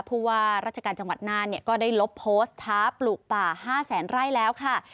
ผู้ว่าราชการจังหวัดน่านก็ได้ลบโพสต์ท้าปลูกป่า๕แสนไร่แล้วค่ะ